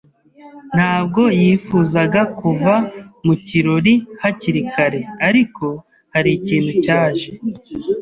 ntabwo yifuzaga kuva mu kirori hakiri kare, ariko hari ikintu cyaje.